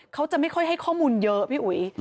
เขาจะไม่ค่อยให้ข้อมูลเยอะพี่อุ๋ย